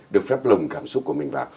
được phép lồng cảm xúc của mình vào